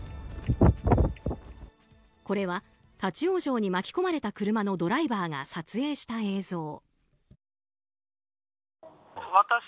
これは立ち往生に巻き込まれた車のドライバーが撮影した映像。